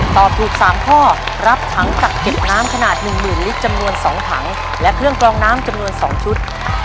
ตอบถูกสามข้อรับถังกักเก็บน้ำขนาดหนึ่งหมื่นลิตรจำนวนสองถังและเครื่องกลองน้ำจำนวนสองชุด